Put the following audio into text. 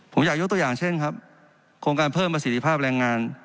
ผมอยากยกตัวอย่างเช่นครับโครงการเพิ่มประสิทธิภาพแรงงาน